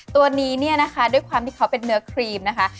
ตัวนี้เนี่ยนะคะด้วยความที่เขาเป็นเนื้อครีมนะคะ